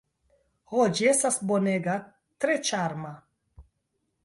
Ho, ĝi estas bonega, tre ĉarma!